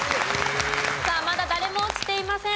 さあまだ誰も落ちていません。